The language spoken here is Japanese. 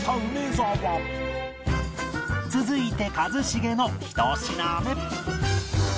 続いて一茂の１品目